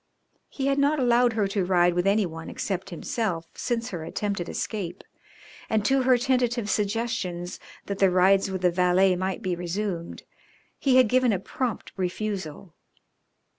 He had not allowed her to ride with any one except himself since her attempted escape, and to her tentative suggestions that the rides with the valet might be resumed he had given a prompt refusal.